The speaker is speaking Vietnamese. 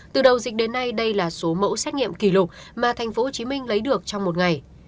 từ đầu dịch đến nay đây là số mẫu xét nghiệm kỷ lục mà thành phố hồ chí minh lấy được trong một ngày